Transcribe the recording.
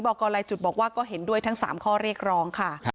กรลายจุดบอกว่าก็เห็นด้วยทั้ง๓ข้อเรียกร้องค่ะ